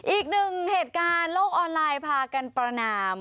อีกหนึ่งเหตุการณ์โลกออนไลน์พากันประนาม